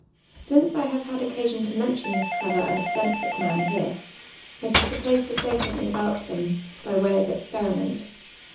Since I have had occasion to mention this clever and eccentric Dian here, it is the place to say something: about him by way of experiment.